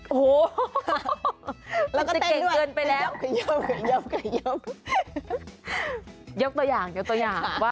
โอ้โหแล้วก็เต้นด้วยยกตัวอย่างยกตัวอย่าง